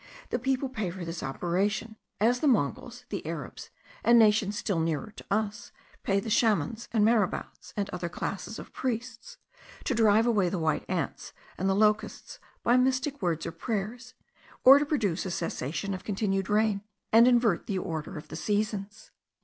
The people pay for this operation, as the Mongols, the Arabs, and nations still nearer to us, pay the chamans, the marabouts, and other classes of priests, to drive away the white ants and the locusts by mystic words or prayers, or to procure a cessation of continued rain, and invert the order of the seasons.